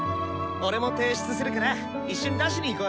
俺も提出するから一緒に出しに行こうよ。